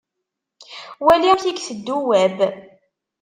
Wali amek i iteddu Web.